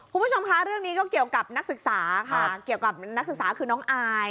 คุณผู้ชมคะเรื่องนี้ก็เกี่ยวกับนักศึกษาค่ะเกี่ยวกับนักศึกษาคือน้องอาย